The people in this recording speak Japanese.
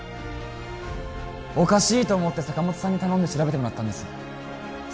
おかしいと思って坂本さんに頼んで調べてもらったんですそ